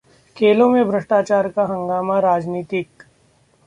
'खेलों में भ्रष्टाचार का हंगामा राजनीतिक'